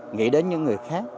nghĩ đến những người khác